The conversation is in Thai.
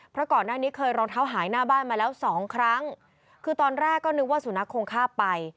เพราะก่อนหน้านี้เคยรองเท้าหายหน้าบ้านมาแล้วสองครั้งคือตอนแรกก็นึกว่าสุนัขคงฆ่าไป